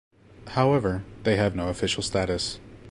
However, they have no official status.